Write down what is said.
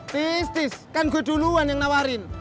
tis tis kan gue duluan yang nawarin